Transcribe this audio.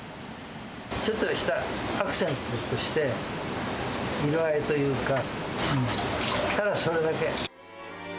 ちょっとしたアクセントとして、色合いというか、ただそれだけ。